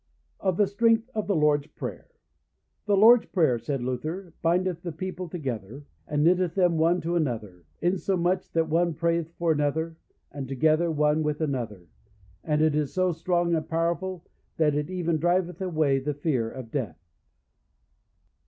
Of the Strength of the Lord's Prayer. The Lord's Prayer, said Luther, bindeth the People together, and knitteth them one to another, insomuch that one prayeth for another, and together one with another; and it is so strong and powerful that it even driveth away the fear of death.